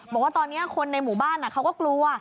บอกว่าตอนนี้คนในหมู่บ้านเขาก็กลัว